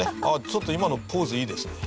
ちょっと今のポーズいいですね。